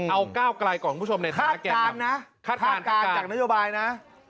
เอาก้าวกลายก่อนคุณผู้ชมในท้าแก่นครับคาดการณ์นะคาดการณ์จากนโยบายนะ